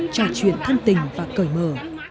trò chuyện thân tình và cởi mở